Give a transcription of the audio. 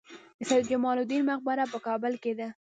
د سید جمال الدین مقبره په کابل کې ده